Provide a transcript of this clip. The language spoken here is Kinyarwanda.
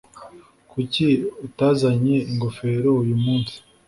Kuki utazanye ingofero uyumunsi?